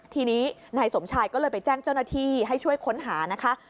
ทีนี้นายสมชายก็เลยไปแจ้งเจ้าหน้าที่ให้ช่วยค้นหานะคะ